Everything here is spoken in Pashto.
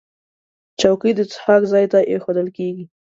چوکۍ د څښاک ځای ته ایښودل کېږي.